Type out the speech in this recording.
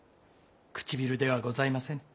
唇ではございません。